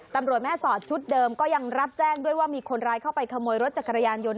ตำรวจแม่สอดชุดเดิมก็ยังรับแจ้งด้วยว่ามีคนร้ายเข้าไปขโมยรถจักรยานยนต์